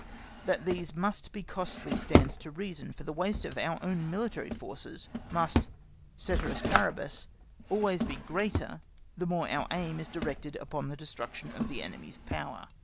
That these must be costly stands to reason, for the waste of our own military forces must, ceteris paribus, always be greater the more our aim is directed upon the destruction of the enemy's power.